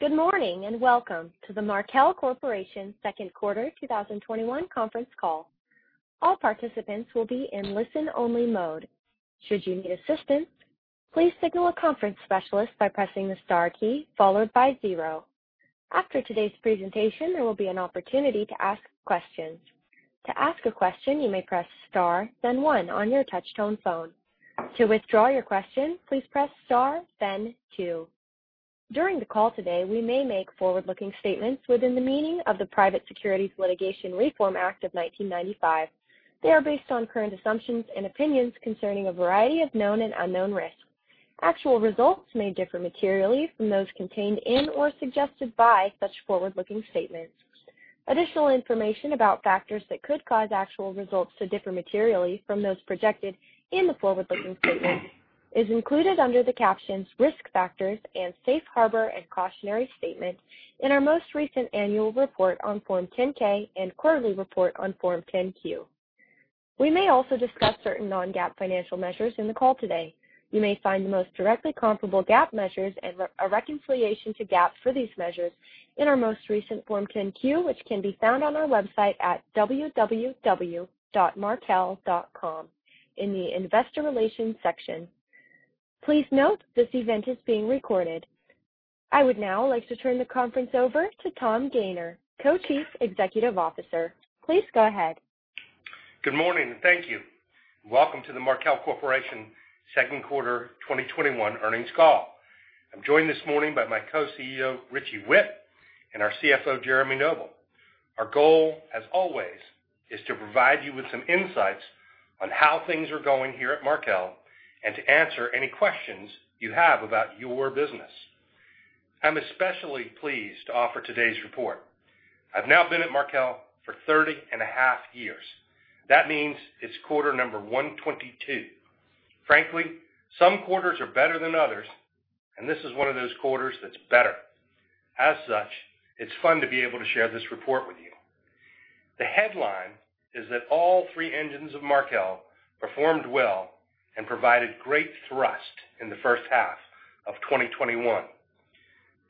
Good morning, and welcome to the Markel Corp. second quarter 2021 conference call. All participants will be in listen-only mode. Should you need assistance, please signal a conference specialist by pressing the star key followed by zero. After today's presentation, there will be an opportunity to ask questions. To ask a question, you may press star then one on your touchtone phone. To withdraw your question, please press star then two. During the call today, we may make forward-looking statements within the meaning of the Private Securities Litigation Reform Act of 1995. They are based on current assumptions and opinions concerning a variety of known and unknown risks. Actual results may differ materially from those contained in or suggested by such forward-looking statements. Additional information about factors that could cause actual results to differ materially from those projected in the forward-looking statements is included under the captions "Risk Factors" and "Safe Harbor and Cautionary Statement" in our most recent annual report on Form 10-K and quarterly report on Form 10-Q. We may also discuss certain non-GAAP financial measures in the call today. You may find the most directly comparable GAAP measures and a reconciliation to GAAP for these measures in our most recent Form 10-Q, which can be found on our website at www.markel.com in the investor relations section. Please note this event is being recorded. I would now like to turn the conference over to Tom Gayner, Co-Chief Executive Officer. Please go ahead. Good morning, and thank you. Welcome to the Markel Corporation Second Quarter 2021 earnings call. I'm joined this morning by my Co-Chief Executive Officer, Richard R. Whitt, and our Chief Financial Officer, Jeremy Noble. Our goal, as always, is to provide you with some insights on how things are going here at Markel and to answer any questions you have about your business. I'm especially pleased to offer today's report. I've now been at Markel for 30 and a half years. That means it's quarter number 122. Frankly, some quarters are better than others. This is one of those quarters that's better. As such, it's fun to be able to share this report with you. The headline is that all three engines of Markel performed well and provided great thrust in the first half of 2021.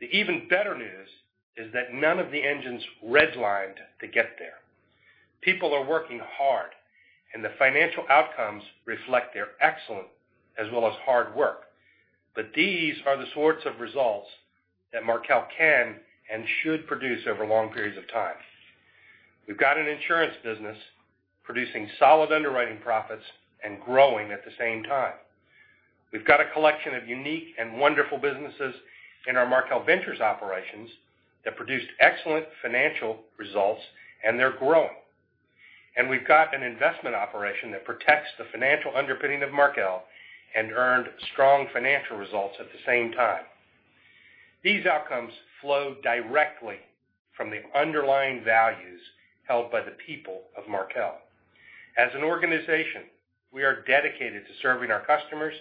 The even better news is that none of the engines redlined to get there. People are working hard, and the financial outcomes reflect their excellent as well as hard work. These are the sorts of results that Markel can and should produce over long periods of time. We've got an insurance business producing solid underwriting profits and growing at the same time. We've got a collection of unique and wonderful businesses in our Markel Ventures operations that produced excellent financial results, and they're growing. We've got an investment operation that protects the financial underpinning of Markel and earned strong financial results at the same time. These outcomes flow directly from the underlying values held by the people of Markel. As an organization, we are dedicated to serving our customers,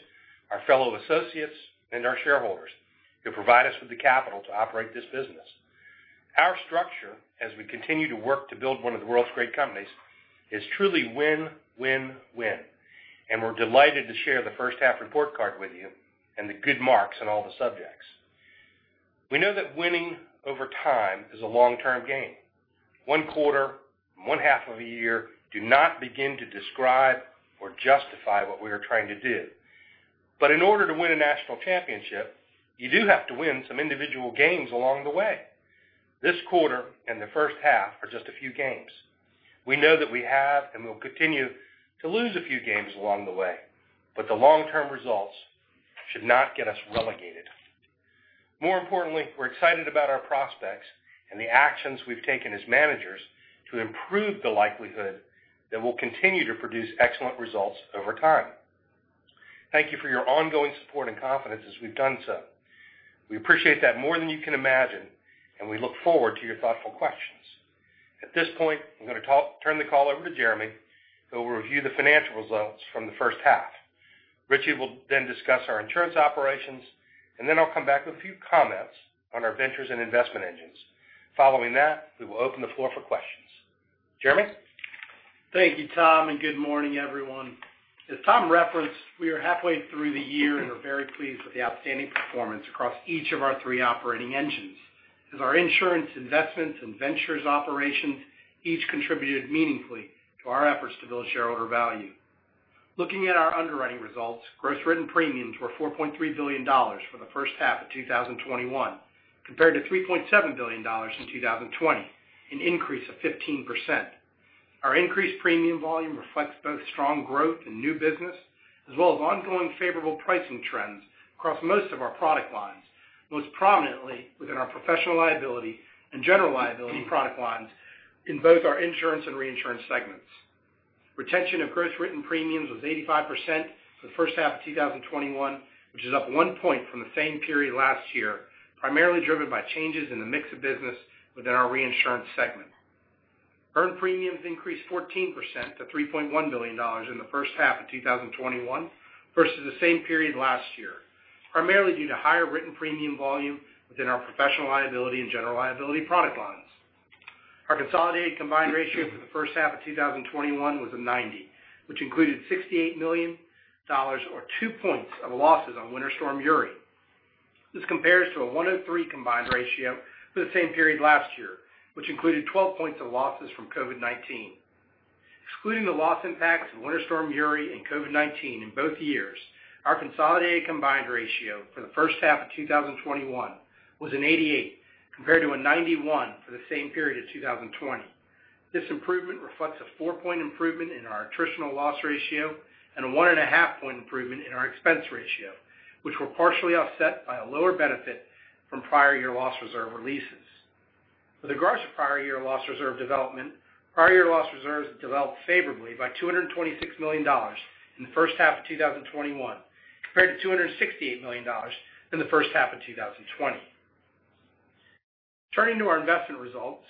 our fellow associates, and our shareholders who provide us with the capital to operate this business. Our structure, as we continue to work to build one of the world's great companies, is truly win-win-win, and we're delighted to share the first half report card with you and the good marks on all the subjects. We know that winning over time is a long-term game. One quarter and one half of a year do not begin to describe or justify what we are trying to do. In order to win a national championship, you do have to win some individual games along the way. This quarter and the first half are just a few games. We know that we have and will continue to lose a few games along the way, but the long-term results should not get us relegated. More importantly, we're excited about our prospects and the actions we've taken as managers to improve the likelihood that we'll continue to produce excellent results over time. Thank you for your ongoing support and confidence as we've done so. We appreciate that more than you can imagine. We look forward to your thoughtful questions. At this point, I'm going to turn the call over to Jeremy, who will review the financial results from the first half. Richard will then discuss our insurance operations. Then I'll come back with a few comments on our Ventures and investment engines. Following that, we will open the floor for questions. Jeremy? Thank you, Tom, and good morning, everyone. As Tom referenced, we are halfway through the year and are very pleased with the outstanding performance across each of our three operating engines as our insurance investments and ventures operations each contributed meaningfully to our efforts to build shareholder value. Looking at our underwriting results, gross written premiums were $4.3 billion for the first half of 2021, compared to $3.7 billion in 2020, an increase of 15%. Our increased premium volume reflects both strong growth and new business, as well as ongoing favorable pricing trends across most of our product lines, most prominently within our professional liability and general liability product lines in both our insurance and reinsurance segments. Retention of gross written premiums was 85% for the first half of 2021, which is up one point from the same period last year, primarily driven by changes in the mix of business within our reinsurance segment. Earned premiums increased 14% to $3.1 billion in the first half of 2021 versus the same period last year, primarily due to higher written premium volume within our professional liability and general liability product lines. Our consolidated combined ratio for the first half of 2021 was a 90, which included $68 million, or two points of losses on Winter Storm Uri. This compares to a 103 combined ratio for the same period last year, which included 12 points of losses from COVID-19. Excluding the loss impacts of Winter Storm Uri and COVID-19 in both years, our consolidated combined ratio for the first half of 2021 was an 88%, compared to a 91% for the same period of 2020. This improvement reflects a four-point improvement in our attritional loss ratio and a 1.5-point improvement in our expense ratio, which were partially offset by a lower benefit from prior year loss reserve releases. With regards to prior year loss reserve development, prior year loss reserves developed favorably by $226 million in the first half of 2021 compared to $268 million in the first half of 2020. Turning to our investment results,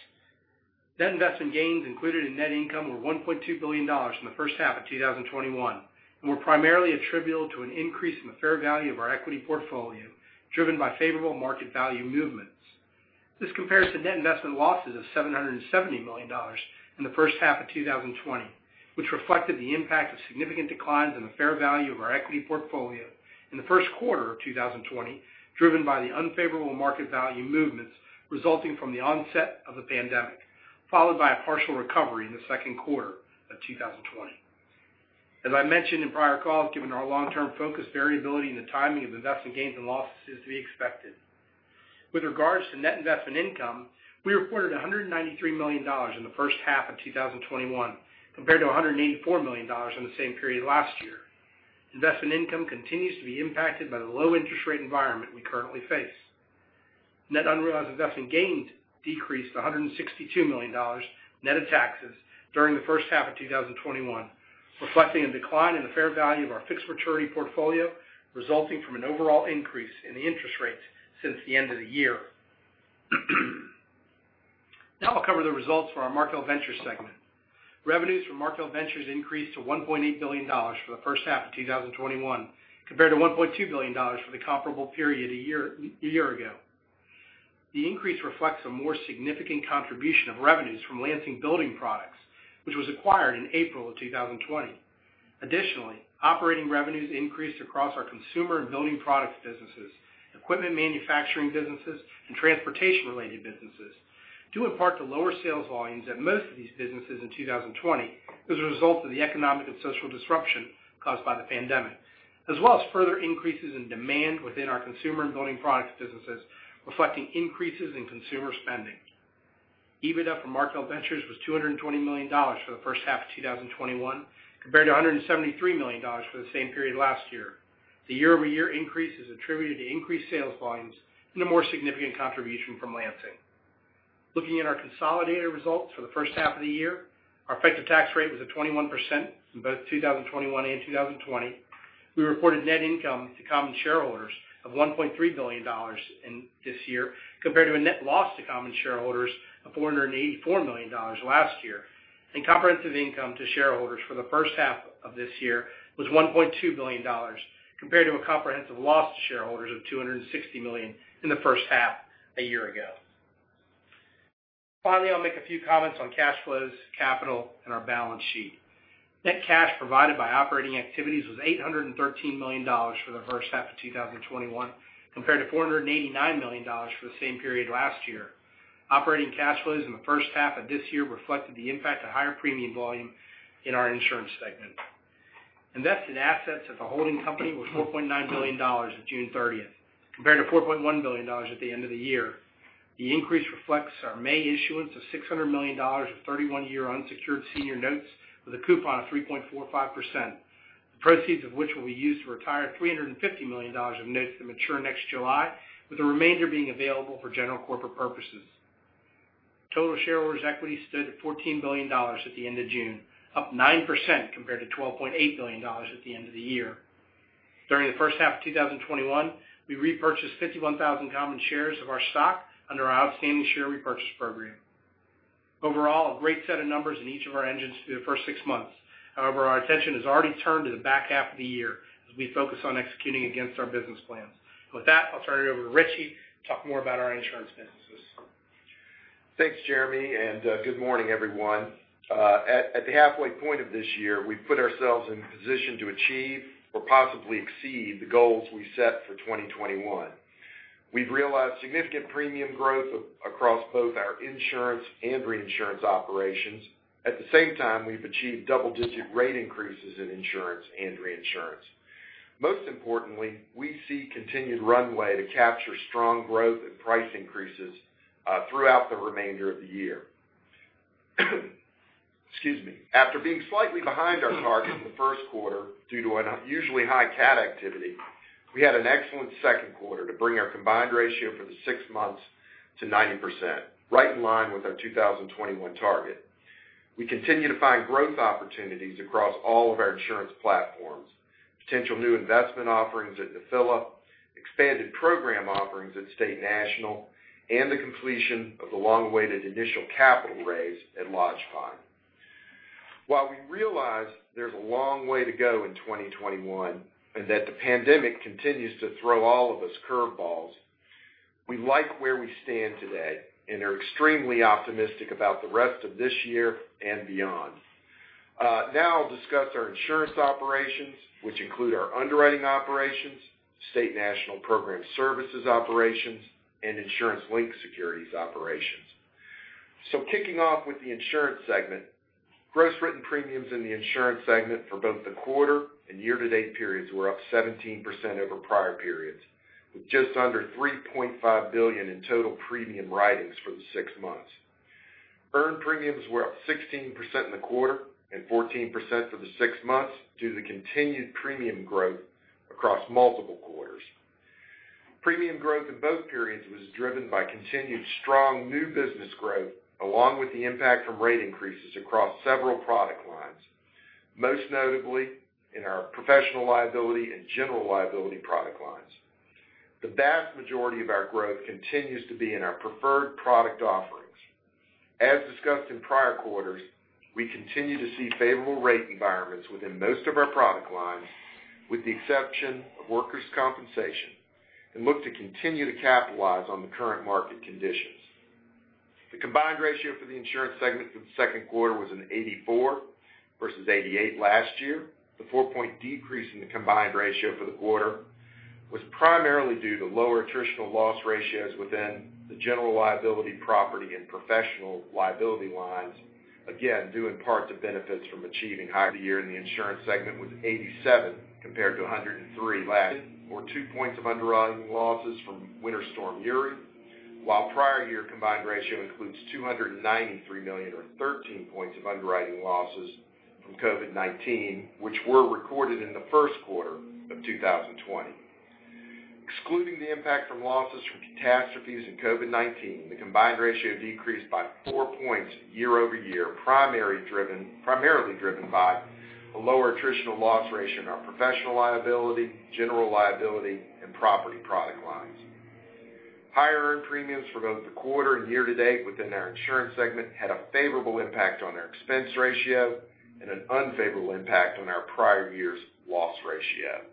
net investment gains included in net income were $1.2 billion in the first half of 2021 and were primarily attributable to an increase in the fair value of our equity portfolio, driven by favorable market value movements. This compares to net investment losses of $770 million in the first half of 2020, which reflected the impact of significant declines in the fair value of our equity portfolio in the first quarter of 2020, driven by the unfavorable market value movements resulting from the onset of the pandemic, followed by a partial recovery in the second quarter of 2020. As I mentioned in prior calls, given our long-term focus, variability in the timing of investment gains and losses is to be expected. With regards to net investment income, we reported $193 million in the first half of 2021 compared to $184 million in the same period last year. Investment income continues to be impacted by the low interest rate environment we currently face. Net unrealized investment gains decreased to $162 million net of taxes during the first half of 2021, reflecting a decline in the fair value of our fixed maturity portfolio, resulting from an overall increase in the interest rate since the end of the year. I'll cover the results for our Markel Ventures segment. Revenues from Markel Ventures increased to $1.8 billion for the first half of 2021 compared to $1.2 billion for the comparable period a year ago. The increase reflects a more significant contribution of revenues from Lansing Building Products, which was acquired in April of 2020. Additionally, operating revenues increased across our consumer and building products businesses, equipment manufacturing businesses, and transportation-related businesses, due in part to lower sales volumes at most of these businesses in 2020 as a result of the economic and social disruption caused by the pandemic, as well as further increases in demand within our consumer and building products businesses, reflecting increases in consumer spending. EBITDA for Markel Ventures was $220 million for the first half of 2021 compared to $173 million for the same period last year. The year-over-year increase is attributed to increased sales volumes and a more significant contribution from Lansing. Looking at our consolidated results for the first half of the year, our effective tax rate was at 21% in both 2021 and 2020. We reported net income to common shareholders of $1.3 billion in this year compared to a net loss to common shareholders of $484 million last year. Comprehensive income to shareholders for the first half of this year was $1.2 billion compared to a comprehensive loss to shareholders of $260 million in the first half a year ago. Finally, I'll make a few comments on cash flows, capital, and our balance sheet. Net cash provided by operating activities was $813 million for the first half of 2021 compared to $489 million for the same period last year. Operating cash flows in the first half of this year reflected the impact of higher premium volume in our insurance segment. Invested assets at the holding company were $4.9 billion at June 30th compared to $4.1 billion at the end of the year. The increase reflects our May issuance of $600 million of 31-year unsecured senior notes with a coupon of 3.45%. The proceeds of which will be used to retire $350 million of notes that mature next July, with the remainder being available for general corporate purposes. Total shareholders' equity stood at $14 billion at the end of June, up 9% compared to $12.8 billion at the end of the year. During the first half of 2021, we repurchased 51,000 common shares of our stock under our outstanding share repurchase program. Overall, a great set of numbers in each of our engines for the first six months. However, our attention has already turned to the back half of the year as we focus on executing against our business plans. With that, I'll turn it over to Richard R. Whitt to talk more about our insurance businesses. Thanks, Jeremy. Good morning, everyone. At the halfway point of this year, we've put ourselves in position to achieve or possibly exceed the goals we set for 2021. We've realized significant premium growth across both our insurance and reinsurance operations. At the same time, we've achieved double-digit rate increases in insurance and reinsurance. Most importantly, we see continued runway to capture strong growth and price increases throughout the remainder of the year. Excuse me. After being slightly behind our target in the first quarter due to unusually high cat activity, we had an excellent second quarter to bring our combined ratio for the six months to 90%, right in line with our 2021 target. We continue to find growth opportunities across all of our insurance platforms. Potential new investment offerings at Nephila, expanded program offerings at State National, and the completion of the long-awaited initial capital raise at Lodgepine. While we realize there's a long way to go in 2021, and that the pandemic continues to throw all of us curve balls, we like where we stand today and are extremely optimistic about the rest of this year and beyond. Now I'll discuss our insurance operations, which include our underwriting operations, State National program services operations, and insurance-linked securities operations. Kicking off with the insurance segment, gross written premiums in the insurance segment for both the quarter and year-to-date periods were up 17% over prior periods, with just under $3.5 billion in total premium writings for the six months. Earned premiums were up 16% in the quarter and 14% for the six months due to the continued premium growth across multiple quarters. Premium growth in both periods was driven by continued strong new business growth, along with the impact from rate increases across several product lines, most notably in our professional liability and general liability product lines. The vast majority of our growth continues to be in our preferred product offerings. As discussed in prior quarters, we continue to see favorable rate environments within most of our product lines, with the exception of workers' compensation, and look to continue to capitalize on the current market conditions. The combined ratio for the insurance segment for the second quarter was an 84% versus 88% last year. The four-point decrease in the combined ratio for the quarter was primarily due to lower attritional loss ratios within the general liability, property, and professional liability lines, again, due in part to benefits from achieving higher year in the insurance segment with 87 compared to 103 last or two points of underwriting losses from Winter Storm Uri. While prior year combined ratio includes $293 million or 13 points of underwriting losses from COVID-19, which were recorded in the first quarter of 2020. Excluding the impact from losses from catastrophes and COVID-19, the combined ratio decreased by four points year-over-year, primarily driven by a lower attritional loss ratio in our professional liability, general liability, and property product lines. Higher earned premiums for both the quarter and year-to-date within our insurance segment had a favorable impact on our expense ratio and an unfavorable impact on our prior year's loss ratio.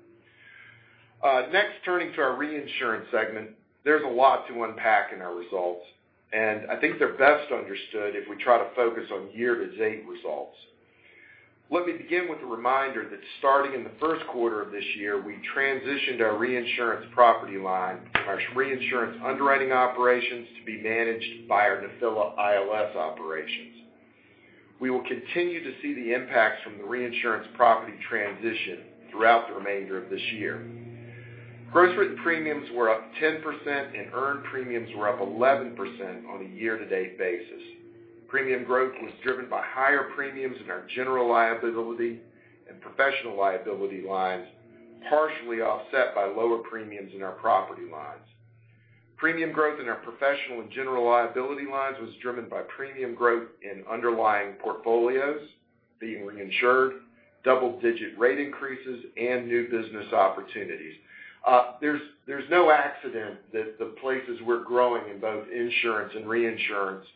Next, turning to our reinsurance segment, there's a lot to unpack in our results, and I think they're best understood if we try to focus on year-to-date results. Let me begin with a reminder that starting in the first quarter of this year, we transitioned our reinsurance property line and our reinsurance underwriting operations to be managed by our Nephila ILS operations. We will continue to see the impacts from the reinsurance property transition throughout the remainder of this year. Gross written premiums were up 10% and earned premiums were up 11% on a year-to-date basis. Premium growth was driven by higher premiums in our general liability and professional liability lines, partially offset by lower premiums in our property lines. Premium growth in our professional and general liability lines was driven by premium growth in underlying portfolios being reinsured, double-digit rate increases, and new business opportunities. There's no accident that the places we're growing in both insurance and reinsurance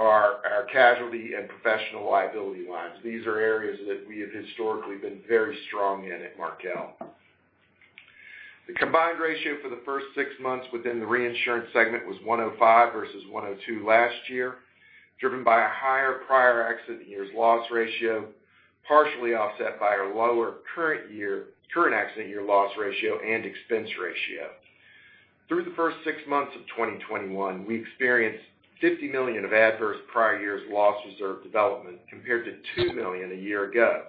are our casualty and professional liability lines. These are areas that we have historically been very strong in at Markel. The combined ratio for the first six months within the reinsurance segment was 105 versus 102 last year, driven by a higher prior accident year's loss ratio, partially offset by a lower current accident year loss ratio and expense ratio. Through the first six months of 2021, we experienced $50 million of adverse prior year's loss reserve development compared to $2 million a year ago.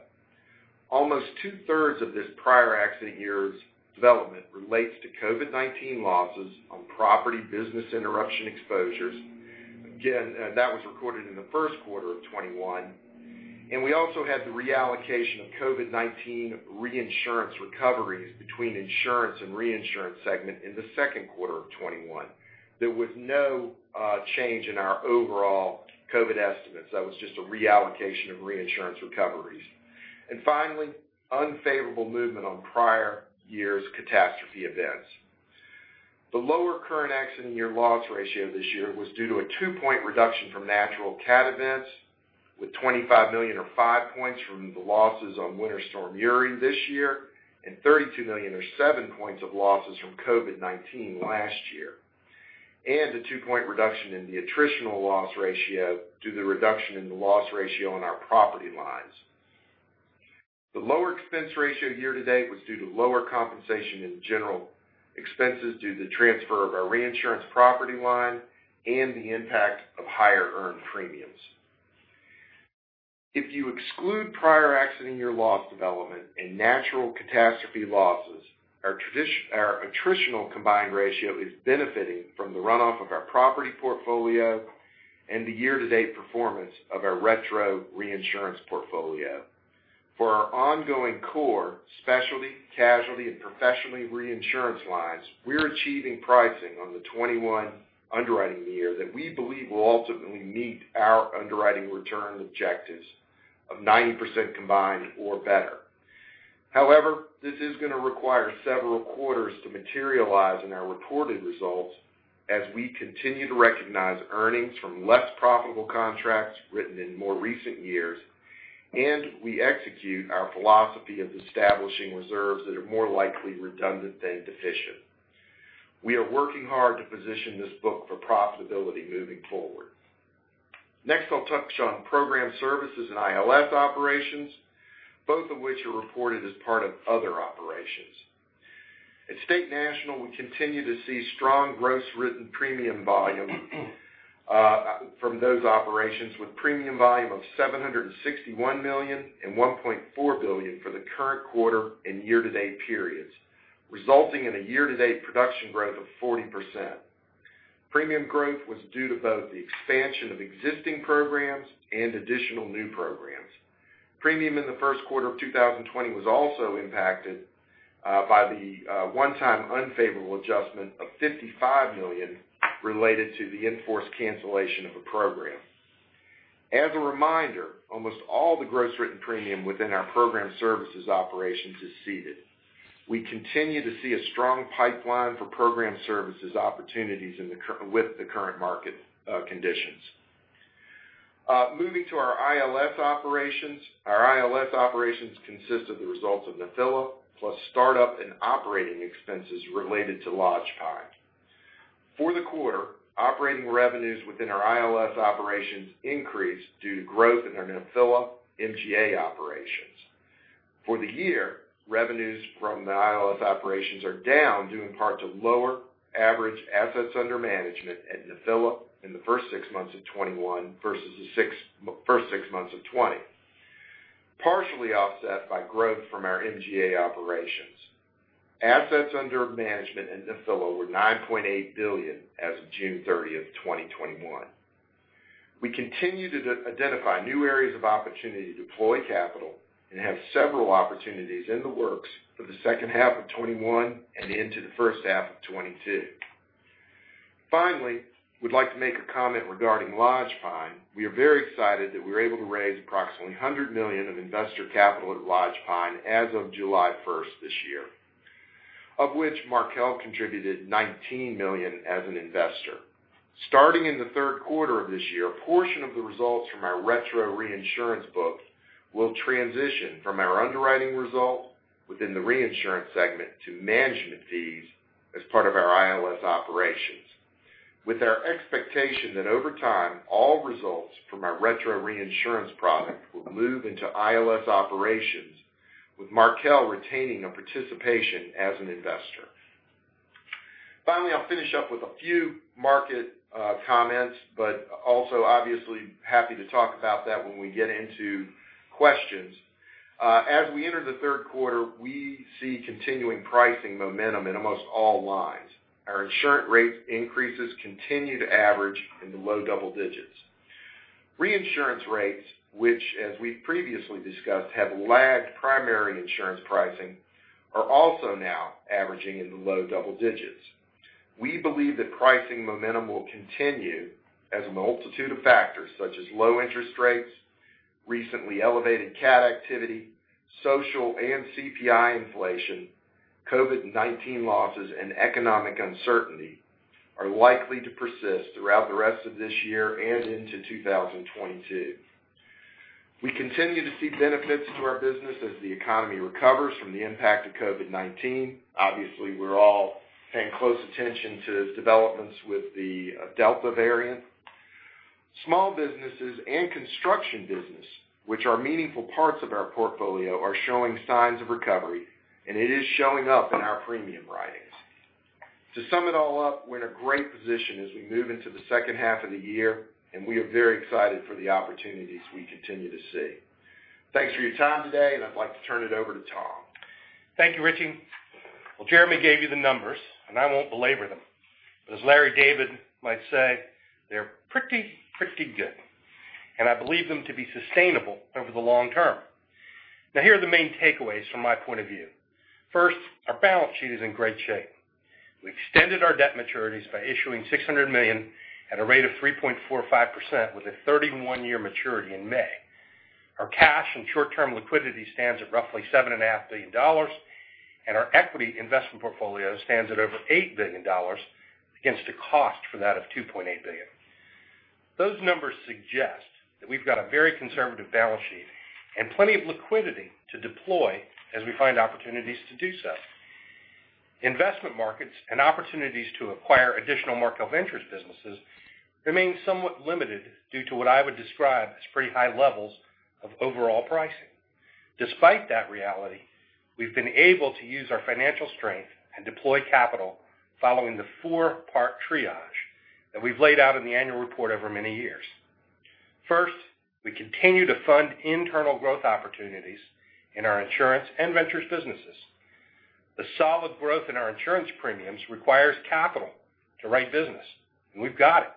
Almost 2/3 of this prior accident year's development relates to COVID-19 losses on property business interruption exposures. Again, that was recorded in the first quarter of 2021. We also had the reallocation of COVID-19 reinsurance recoveries between insurance and reinsurance segment in the second quarter of 2021. There was no change in our overall COVID estimates. That was just a reallocation of reinsurance recoveries. Finally, unfavorable movement on prior year's catastrophe events. The lower current accident year loss ratio this year was due to a two-point reduction from natural cat events with $25 million or five points from the losses on Winter Storm Uri this year and $32 million or seven points of losses from COVID-19 last year, and a two-point reduction in the attritional loss ratio due to the reduction in the loss ratio on our property lines. The lower expense ratio year-to-date was due to lower compensation and general expenses due to the transfer of our reinsurance property line and the impact of higher earned premiums. If you exclude prior accident year loss development and natural catastrophe losses, our attritional combined ratio is benefiting from the runoff of our property portfolio and the year-to-date performance of our retro reinsurance portfolio. For our ongoing core specialty, casualty, and professional liability reinsurance lines, we're achieving pricing on the 2021 underwriting year that we believe will ultimately meet our underwriting return objectives of 90% combined or better. However, this is going to require several quarters to materialize in our reported results as we continue to recognize earnings from less profitable contracts written in more recent years, and we execute our philosophy of establishing reserves that are more likely redundant than deficient. We are working hard to position this book for profitability moving forward. I'll touch on program services and ILS operations, both of which are reported as part of other operations. At State National, we continue to see strong gross written premium volume from those operations, with premium volume of $761 million and $1.4 billion for the current quarter and year-to-date periods, resulting in a year-to-date production growth of 40%. Premium growth was due to both the expansion of existing programs and additional new programs. Premium in the first quarter of 2020 was also impacted by the one-time unfavorable adjustment of $55 million related to the in-force cancellation of a program. As a reminder, almost all the gross written premium within our program services operations is ceded. We continue to see a strong pipeline for program services opportunities with the current market conditions. Moving to our ILS operations. Our ILS operations consist of the results of Nephila plus startup and operating expenses related to Lodgepine. For the quarter, operating revenues within our ILS operations increased due to growth in our Nephila MGA operations. For the year, revenues from the ILS operations are down due in part to lower average assets under management at Nephila in the first six months of 2021 versus the first six months of 2020, partially offset by growth from our MGA operations. Assets under management at Nephila were $9.8 billion as of June 30, 2021. We continue to identify new areas of opportunity to deploy capital and have several opportunities in the works for the second half of 2021 and into the first half of 2022. Finally, we'd like to make a comment regarding Lodgepine. We are very excited that we were able to raise approximately $100 million of investor capital at Lodgepine as of July 1st this year, of which Markel contributed $19 million as an investor. Starting in the third quarter of this year, a portion of the results from our retro reinsurance books will transition from our underwriting result within the reinsurance segment to management fees as part of our ILS operations. With our expectation that over time, all results from our retro reinsurance product will move into ILS operations, with Markel retaining a participation as an investor. Finally, I'll finish up with a few market comments, but also obviously happy to talk about that when we get into questions. As we enter the third quarter, we see continuing pricing momentum in almost all lines. Our insurance rate increases continue to average in the low double digits. Reinsurance rates, which as we've previously discussed, have lagged primary insurance pricing, are also now averaging in the low double digits. We believe that pricing momentum will continue as a multitude of factors such as low interest rates, recently elevated cat activity, social and CPI inflation, COVID-19 losses, and economic uncertainty are likely to persist throughout the rest of this year and into 2022. We continue to see benefits to our business as the economy recovers from the impact of COVID-19. Obviously, we're all paying close attention to developments with the Delta variant. Small businesses and construction business, which are meaningful parts of our portfolio, are showing signs of recovery, It is showing up in our premium writings. To sum it all up, we're in a great position as we move into the second half of the year, and we are very excited for the opportunities we continue to see. Thanks for your time today, and I'd like to turn it over to Tom. Thank you, Richie. Well, Jeremy gave you the numbers and I won't belabor them, as Larry David might say, they're pretty good, and I believe them to be sustainable over the long term. Here are the main takeaways from my point of view. First, our balance sheet is in great shape. We extended our debt maturities by issuing $600 million at a rate of 3.45% with a 31-year maturity in May. Our cash and short-term liquidity stands at roughly $7.5 billion, and our equity investment portfolio stands at over $8 billion against a cost for that of $2.8 billion. Those numbers suggest that we've got a very conservative balance sheet and plenty of liquidity to deploy as we find opportunities to do so. Investment markets and opportunities to acquire additional Markel Ventures businesses remain somewhat limited due to what I would describe as pretty high levels of overall pricing. Despite that reality, we've been able to use our financial strength and deploy capital following the four-part triage that we've laid out in the annual report over many years. First, we continue to fund internal growth opportunities in our insurance and Ventures businesses. The solid growth in our insurance premiums requires capital to write business. We've got it.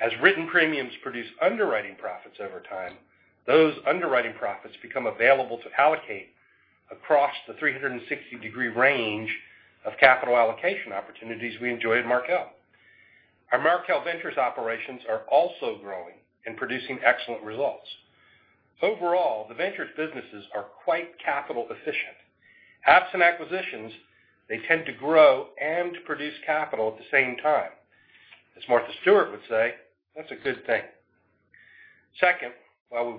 As written premiums produce underwriting profits over time, those underwriting profits become available to allocate across the 360-degree range of capital allocation opportunities we enjoy at Markel. Our Markel Ventures operations are also growing and producing excellent results. Overall, the Ventures businesses are quite capital efficient. Absent acquisitions, they tend to grow and produce capital at the same time. As Martha Stewart would say, "That's a good thing." Second, while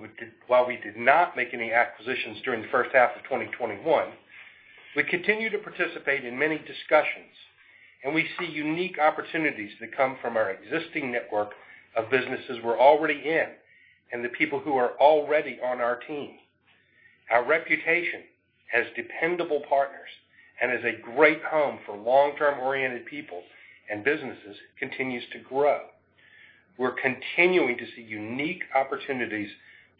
we did not make any acquisitions during the first half of 2021, we continue to participate in many discussions, and we see unique opportunities that come from our existing network of businesses we're already in and the people who are already on our team. Our reputation as dependable partners and as a great home for long-term oriented people and businesses continues to grow. We're continuing to see unique opportunities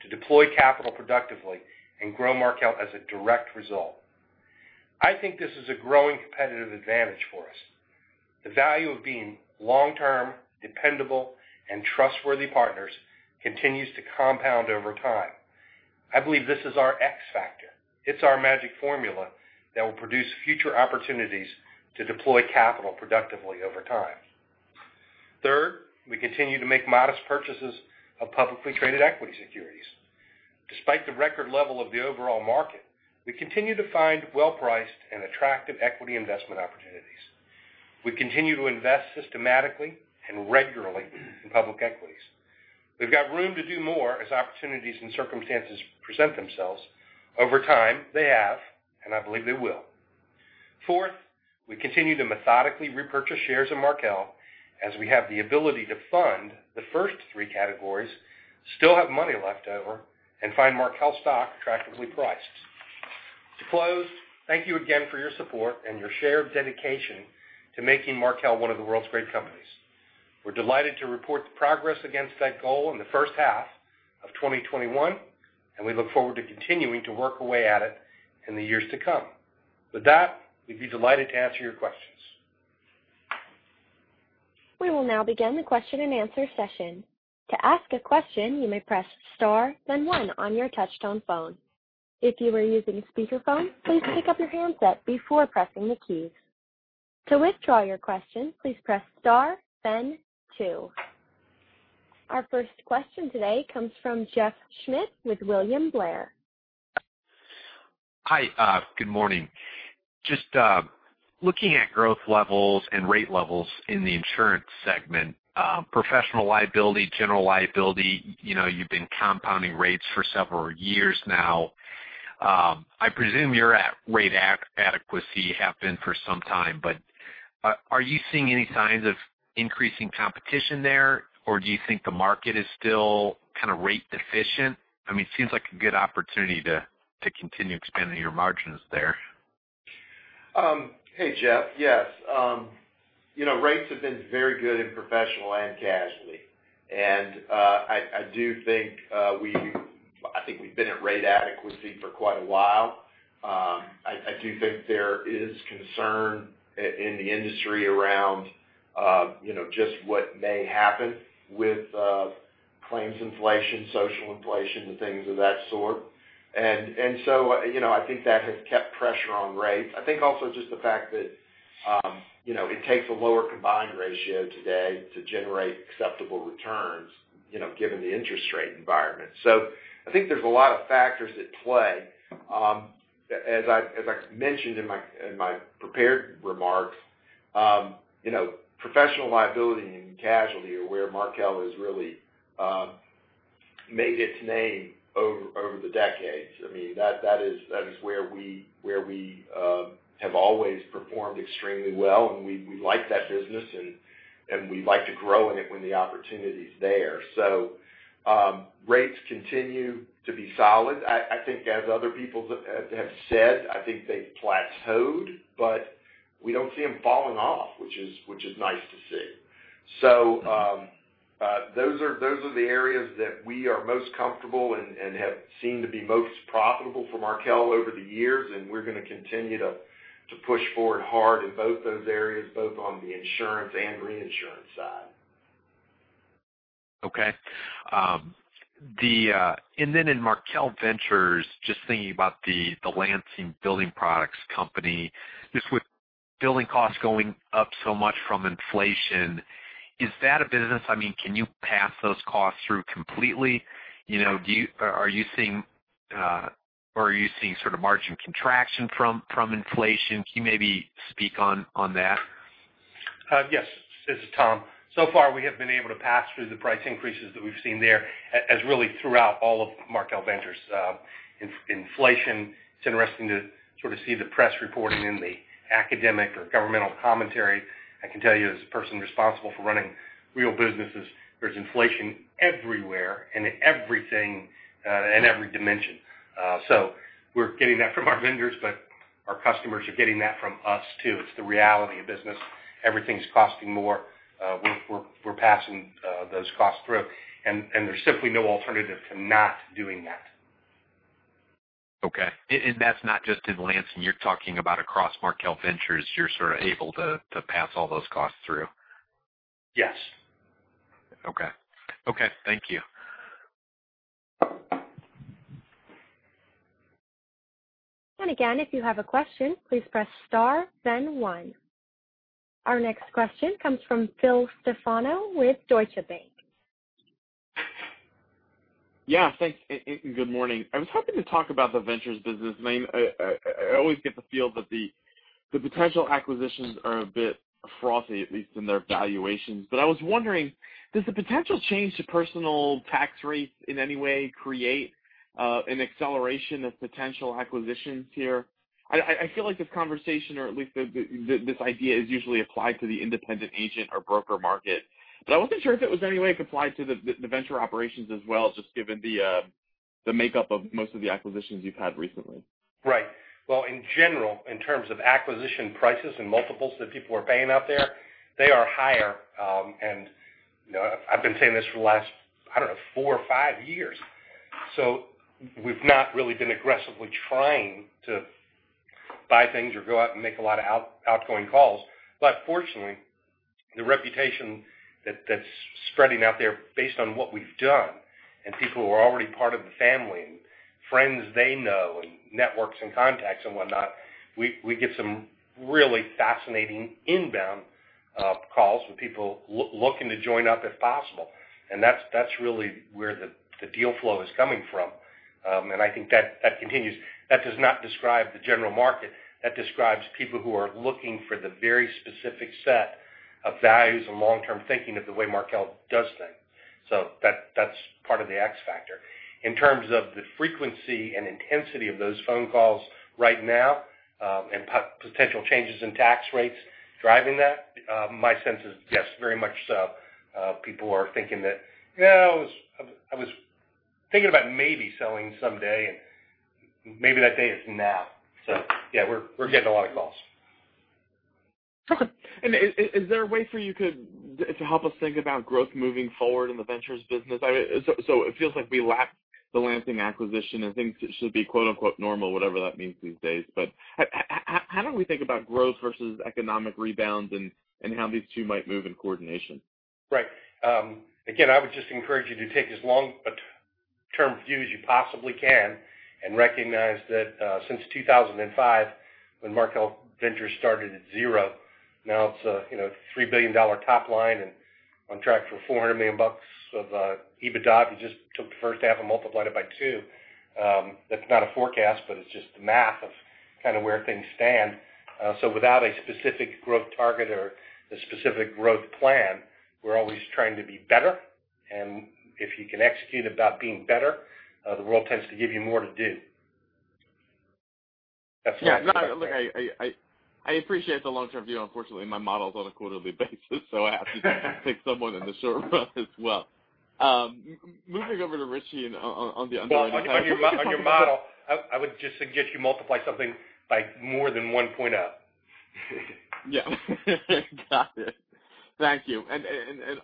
to deploy capital productively and grow Markel as a direct result. I think this is a growing competitive advantage for us. The value of being long-term, dependable, and trustworthy partners continues to compound over time. I believe this is our X factor. It's our magic formula that will produce future opportunities to deploy capital productively over time. Third, we continue to make modest purchases of publicly traded equity securities. Despite the record level of the overall market, we continue to find well-priced and attractive equity investment opportunities. We continue to invest systematically and regularly in public equities. We've got room to do more as opportunities and circumstances present themselves. Over time, they have, and I believe they will. Fourth, we continue to methodically repurchase shares of Markel as we have the ability to fund the first three categories, still have money left over, and find Markel stock attractively priced. To close, thank you again for your support and your shared dedication to making Markel one of the world's great companies. We're delighted to report the progress against that goal in the first half of 2021, and we look forward to continuing to work away at it in the years to come. With that, we'd be delighted to answer your questions. We will now begin the question and answer session. To ask a question, you may press star then one on your touchtone phone. If you are using a speakerphone, please pick up your handset before pressing any keys. To withdraw your question, please press star then two. Our first question today comes from Jeff Schmitt with William Blair. Hi. Good morning. Just looking at growth levels and rate levels in the insurance segment, professional liability, general liability, you've been compounding rates for several years now. I presume you're at rate adequacy, have been for some time, but are you seeing any signs of increasing competition there, or do you think the market is still kind of rate deficient? It seems like a good opportunity to continue expanding your margins there. Hey, Jeff. Yes. Rates have been very good in professional and casualty. I think we've been at rate adequacy for quite a while. I do think there is concern in the industry around just what may happen with claims inflation, social inflation, and things of that sort. I think that has kept pressure on rates. I think also just the fact that it takes a lower combined ratio today to generate acceptable returns, given the interest rate environment. I think there's a lot of factors at play. As I mentioned in my prepared remarks, professional liability and casualty are where Markel has really made its name over the decades. That is where we have always performed extremely well, and we like that business, and we like to grow in it when the opportunity's there. Rates continue to be solid. I think as other people have said, I think they've plateaued, we don't see them falling off, which is nice to see. Those are the areas that we are most comfortable and have seemed to be most profitable for Markel over the years, and we're going to continue to push forward hard in both those areas, both on the insurance and reinsurance side. Okay. In Markel Ventures, just thinking about the Lansing Building Products company, just with building costs going up so much from inflation, can you pass those costs through completely? Are you seeing sort of margin contraction from inflation? Can you maybe speak on that? Yes. This is Tom. Far, we have been able to pass through the price increases that we've seen there as really throughout all of Markel Ventures. Inflation, it's interesting to sort of see the press reporting in the academic or governmental commentary. I can tell you as a person responsible for running real businesses, there's inflation everywhere and in everything, and every dimension. We're getting that from our vendors, but our customers are getting that from us, too. It's the reality of business. Everything's costing more. We're passing those costs through, and there's simply no alternative to not doing that. Okay. That's not just in Lansing. You're talking about across Markel Ventures, you're sort of able to pass all those costs through? Yes. Okay. Thank you. Again, if you have a question, please press star then one. Our next question comes from Phil Stefano with Deutsche Bank. Yeah, thanks, and good morning. I was hoping to talk about the ventures business. I always get the feel that the potential acquisitions are a bit frothy, at least in their valuations. I was wondering, does the potential change to personal tax rates in any way create an acceleration of potential acquisitions here? I feel like this conversation or at least this idea is usually applied to the independent agent or broker market, but I wasn't sure if it was any way applied to the venture operations as well, just given the makeup of most of the acquisitions you've had recently. Right. Well, in general, in terms of acquisition prices and multiples that people are paying out there, they are higher. I've been saying this for the last, I don't know, four or five years. We've not really been aggressively trying to buy things or go out and make a lot of outgoing calls. Fortunately, the reputation that's spreading out there based on what we've done and people who are already part of the family and friends they know and networks and contacts and whatnot, we get some really fascinating inbound calls from people looking to join up if possible. That's really where the deal flow is coming from. I think that continues. That does not describe the general market. That describes people who are looking for the very specific set of values and long-term thinking of the way Markel does things. That's part of the X factor. In terms of the frequency and intensity of those phone calls right now, and potential changes in tax rates driving that, my sense is yes, very much so. People are thinking that, "Yeah, I was thinking about maybe selling someday, and maybe that day is now." Yeah, we're getting a lot of calls. Okay. Is there a way for you to help us think about growth moving forward in the Ventures business? It feels like we lacked the Lansing acquisition, and things should be "normal," whatever that means these days. How do we think about growth versus economic rebounds and how these two might move in coordination? Right. Again, I would just encourage you to take as long a term view as you possibly can and recognize that since 2005, when Markel Ventures started at zero, now it's a $3 billion top line and on track for $400 million of EBITDA. If you just took the first half and multiplied it by two. That's not a forecast, but it's just the math of kind of where things stand. Without a specific growth target or a specific growth plan, we're always trying to be better. If you can execute about being better, the world tends to give you more to do. Yeah, no, look, I appreciate the long-term view. Unfortunately, my model is on a quarterly basis, so I have to take some of it in the short run as well. Moving over to Richard R. Whitt on the underlying. Well, on your model, I would just suggest you multiply something by more than 1.0. Yeah. Got it. Thank you.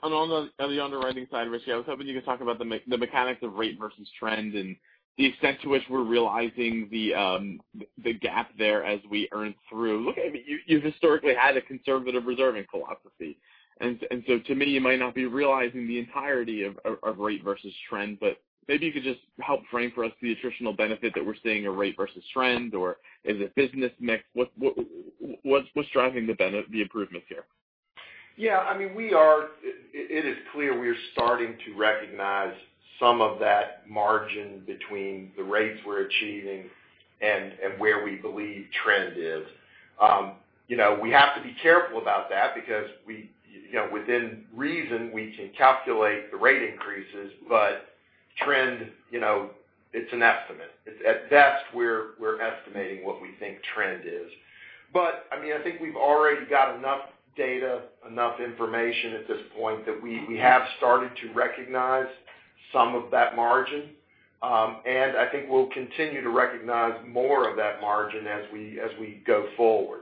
On the underwriting side, Richard, I was hoping you could talk about the mechanics of rate versus trend and the extent to which we're realizing the gap there as we earn through. Look, I mean, you've historically had a conservative reserving philosophy, to me, you might not be realizing the entirety of rate versus trend, but maybe you could just help frame for us the attritional benefit that we're seeing of rate versus trend, or is it business mix? What's driving the improvements here? Yeah, it is clear we are starting to recognize some of that margin between the rates we're achieving and where we believe trend is. We have to be careful about that because within reason, we can calculate the rate increases, but trend, it's an estimate. At best, we're estimating what we think trend is. I think we've already got enough data, enough information at this point that we have started to recognize some of that margin. I think we'll continue to recognize more of that margin as we go forward.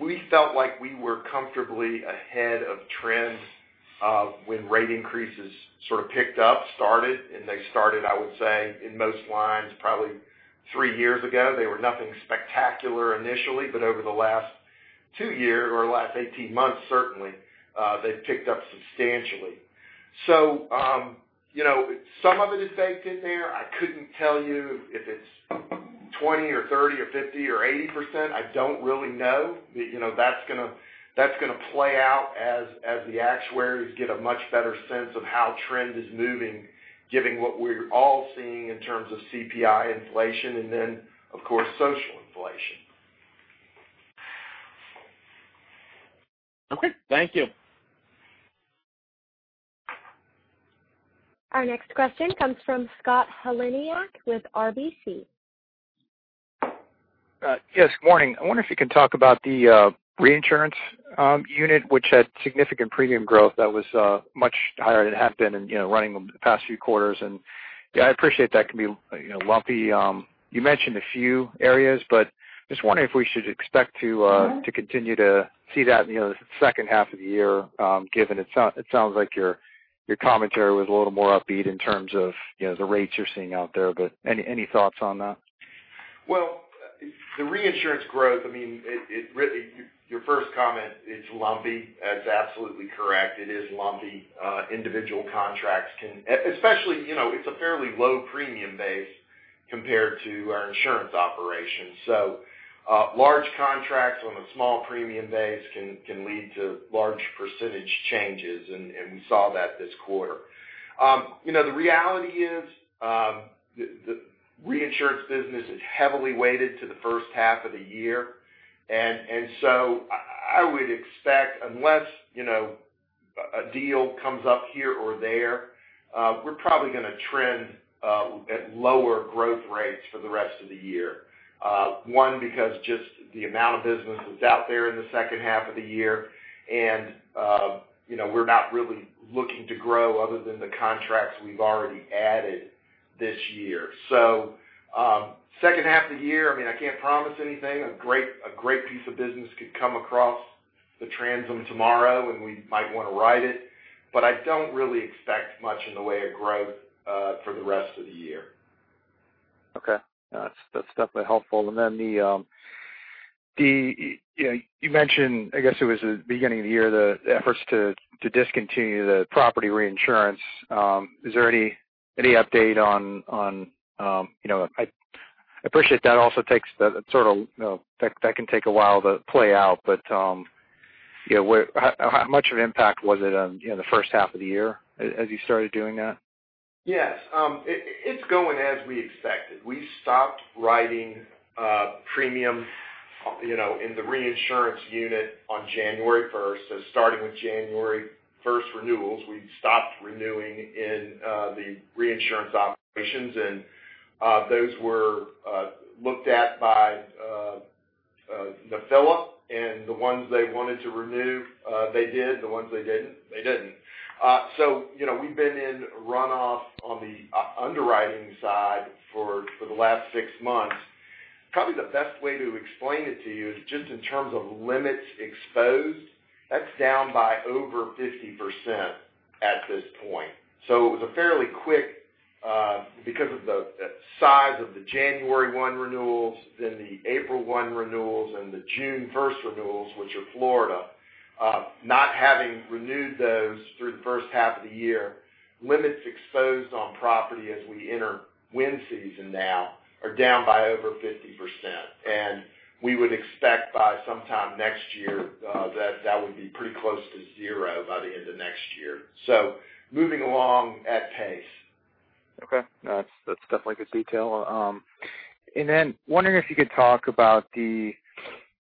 We felt like we were comfortably ahead of trend when rate increases sort of picked up, started, and they started, I would say, in most lines, probably three years ago. They were nothing spectacular initially, but over the last two years or last 18 months, certainly, they've picked up substantially. Some of it is baked in there. I couldn't tell you if it's 20 or 30 or 50 or 80%. I don't really know. That's going to play out as the actuaries get a much better sense of how trend is moving, given what we're all seeing in terms of CPI inflation and then, of course, social inflation. Okay. Thank you. Our next question comes from Scott Heleniak with RBC. Yes, good morning. I wonder if you can talk about the reinsurance unit, which had significant premium growth that was much higher than it had been in running the past few quarters. I appreciate that can be lumpy. You mentioned a few areas, but just wondering if we should expect to continue to see that in the second half of the year, given it sounds like your commentary was a little more upbeat in terms of the rates you're seeing out there. Any thoughts on that? The reinsurance growth, your first comment, it's lumpy. That's absolutely correct. It is lumpy. Individual contracts, especially, it's a fairly low premium base compared to our insurance operations. Large contracts on a small premium base can lead to large percentage changes, and we saw that this quarter. The reality is, the reinsurance business is heavily weighted to the first half of the year. I would expect, unless a deal comes up here or there, we're probably going to trend at lower growth rates for the rest of the year. One, because just the amount of business that's out there in the second half of the year, and we're not really looking to grow other than the contracts we've already added this year. Second half of the year, I can't promise anything. A great piece of business could come across the transom tomorrow, and we might want to ride it, but I don't really expect much in the way of growth for the rest of the year. Okay. That's definitely helpful. You mentioned, I guess it was the beginning of the year, the efforts to discontinue the property reinsurance. Is there any update on, I appreciate that can take a while to play out, but how much of impact was it on the first half of the year as you started doing that? Yes. It's going as we expected. We stopped writing premium in the reinsurance unit on January 1st. Starting with January 1st renewals, we stopped renewing in the reinsurance operations, and those were looked at by Nephila. The ones they wanted to renew, they did, the ones they didn't, they didn't. We've been in runoff on the underwriting side for the last six months. Probably the best way to explain it to you is just in terms of limits exposed, that's down by over 50% at this point. It was a fairly quick, because of the size of the January 1 renewals, then the April 1 renewals, and the June 1st renewals, which are Florida. Not having renewed those through the first half of the year, limits exposed on property as we enter wind season now are down by over 50%. We would expect by sometime next year, that would be pretty close to zero by the end of next year. Moving along at pace. Okay. No, that's definitely good detail. Wondering if you could talk about the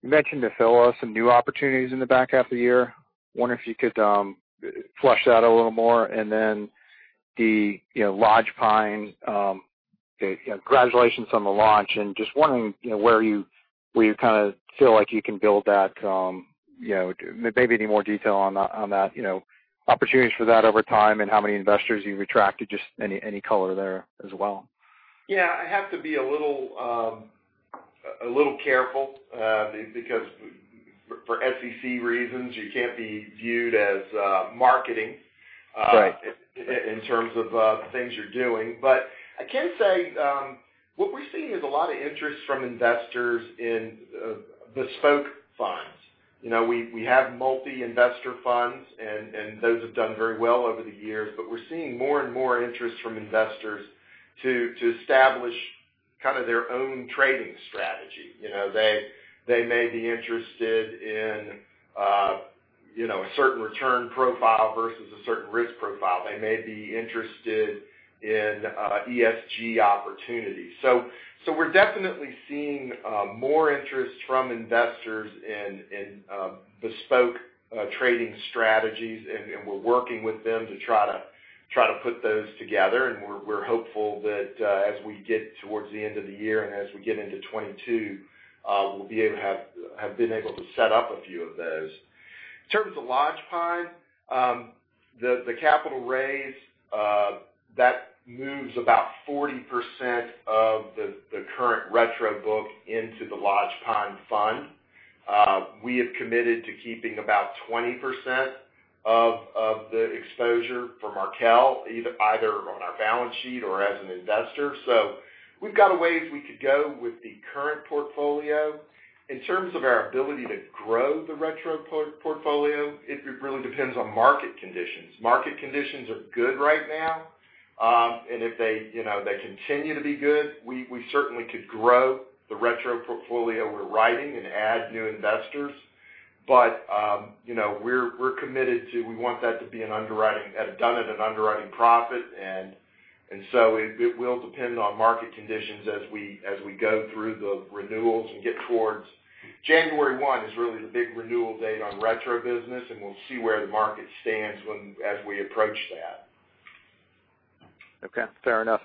You mentioned Nephila, some new opportunities in the back half of the year. Wondering if you could flesh that out a little more, and then the Lodgepine, congratulations on the launch, and just wondering where you feel like you can build that. Maybe any more detail on that, opportunities for that over time and how many investors you've attracted, just any color there as well. Yeah, I have to be a little careful, because for SEC reasons, you can't be viewed as marketing. Right In terms of the things you're doing. I can say, what we're seeing is a lot of interest from investors in bespoke funds. We have multi-investor funds, and those have done very well over the years, but we're seeing more and more interest from investors to establish their own trading strategy. They may be interested in a certain return profile versus a certain risk profile. They may be interested in ESG opportunities. We're definitely seeing more interest from investors in bespoke trading strategies, and we're working with them to try to put those together. We're hopeful that as we get towards the end of the year, and as we get into 2022, we'll have been able to set up a few of those. In terms of Lodgepine, the capital raise, that moves about 40% of the current retro book into the Lodgepine fund. We have committed to keeping about 20% of the exposure for Markel, either on our balance sheet or as an investor. We've got a ways we could go with the current portfolio. In terms of our ability to grow the retro portfolio, it really depends on market conditions. Market conditions are good right now. If they continue to be good, we certainly could grow the retro portfolio we're writing and add new investors. We want that to be done at an underwriting profit, and so it will depend on market conditions as we go through the renewals and get towards January 1 is really the big renewal date on retro business, and we'll see where the market stands as we approach that. Okay. Fair enough.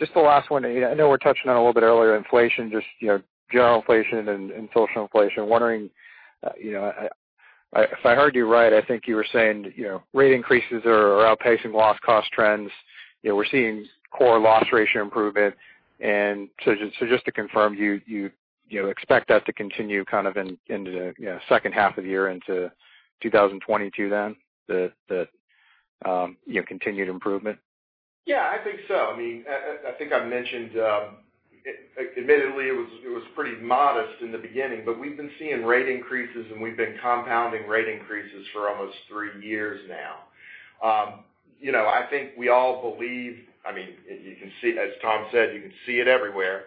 Just the last one. I know we're touching on a little bit earlier, inflation, just general inflation and social inflation. Wondering, if I heard you right, I think you were saying rate increases are outpacing loss cost trends. We're seeing core loss ratio improvement. Just to confirm, you expect that to continue into the second half of the year into 2022 then? Continued improvement? Yeah, I think so. Admittedly, it was pretty modest in the beginning, but we've been seeing rate increases, and we've been compounding rate increases for almost three years now. As Tom said, you can see it everywhere.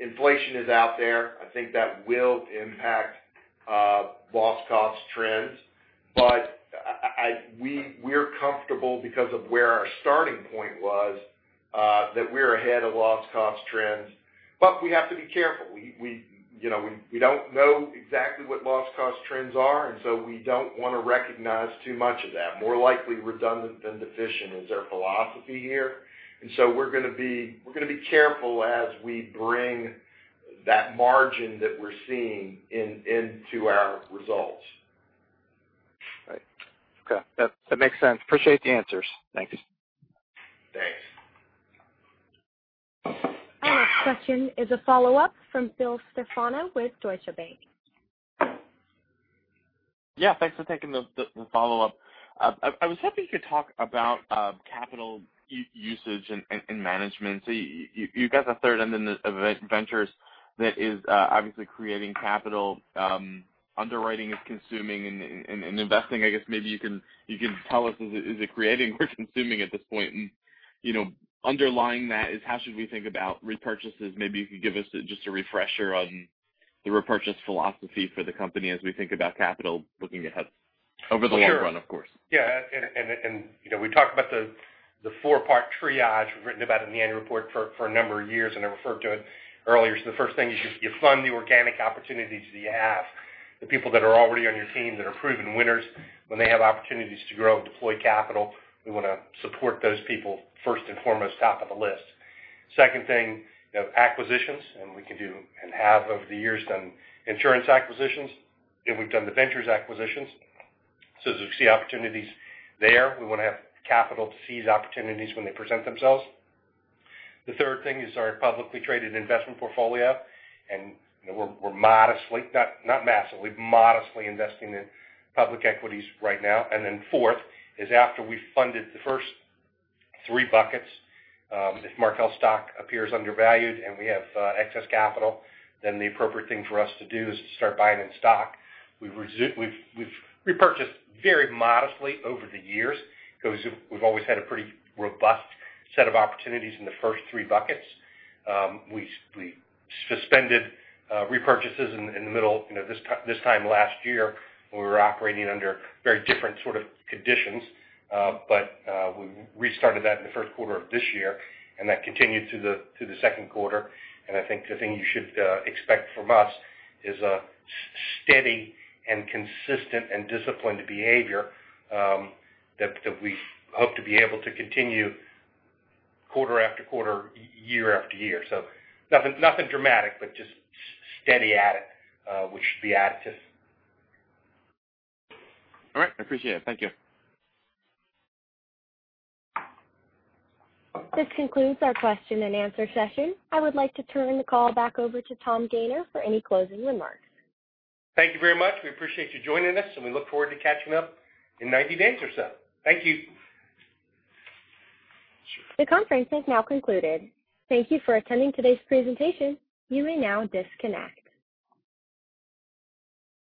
Inflation is out there. I think that will impact loss cost trends. We're comfortable because of where our starting point was, that we're ahead of loss cost trends. We have to be careful. We don't know exactly what loss cost trends are, and so we don't want to recognize too much of that. More likely redundant than deficient is our philosophy here. We're going to be careful as we bring that margin that we're seeing into our results. Right. Okay. That makes sense. Appreciate the answers. Thank you. Thanks. Our next question is a follow-up from Phil Stefano with Deutsche Bank. Yeah, thanks for taking the follow-up. I was hoping you could talk about capital usage and management. You've got the third element of Ventures that is obviously creating capital. Underwriting is consuming and investing. I guess maybe you can tell us, is it creating or consuming at this point? Underlying that is how should we think about repurchases? Maybe you could give us just a refresher on the repurchase philosophy for the company as we think about capital looking ahead. Over the long run, of course. Sure. Yeah. We talked about the four-part triage we've written about in the annual report for a number of years, and I referred to it earlier. The first thing is you fund the organic opportunities that you have. The people that are already on your team that are proven winners, when they have opportunities to grow and deploy capital, we want to support those people first and foremost, top of the list. Second thing, acquisitions, and we can do, and have over the years done insurance acquisitions, and we've done the Ventures acquisitions. As we see opportunities there, we want to have capital to seize opportunities when they present themselves. The third thing is our publicly traded investment portfolio, and we're modestly, not massively, modestly investing in public equities right now. Fourth is after we've funded the first three buckets, if Markel stock appears undervalued and we have excess capital, the appropriate thing for us to do is to start buying in stock. We've repurchased very modestly over the years because we've always had a pretty robust set of opportunities in the first three buckets. We suspended repurchases in the middle, this time last year, when we were operating under very different sort of conditions. We restarted that in the first quarter of this year, and that continued to the second quarter. I think the thing you should expect from us is a steady and consistent and disciplined behavior that we hope to be able to continue quarter after quarter, year after year. Nothing dramatic, but just steady at it, which should be additive. All right. I appreciate it. Thank you. This concludes our question and answer session. I would like to turn the call back over to Tom Gayner for any closing remarks. Thank you very much. We appreciate you joining us, and we look forward to catching up in 90 days or so. Thank you. The conference is now concluded. Thank you for attending today's presentation. You may now disconnect.